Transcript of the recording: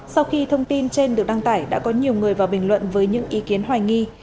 sau khi thông tin trên được đăng tải đã có nhiều người vào bình luận với những ý kiến hoài nghi